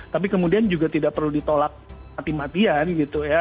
tapi kemudian juga tidak perlu ditolak mati matian gitu ya